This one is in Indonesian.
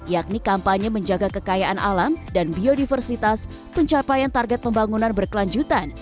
yakni kampanye menjaga kekayaan alam dan biodiversitas pencapaian target pembangunan berkelanjutan